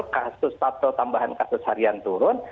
kasus atau tambahan kasus harian turun